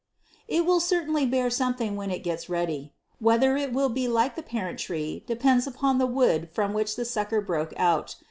It will certainly bear something when it gets ready. Whether it will be like the parent tree depends upon the wood from which the sucker broke out.